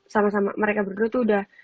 sama sama mereka berdua tuh udah